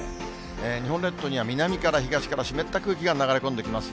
日本列島には南から、東から湿った空気が流れ込んできます。